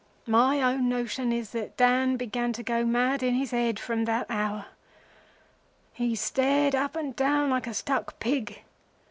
"My own notion is that Dan began to go mad in his head from that hour. He stared up and down like a stuck pig.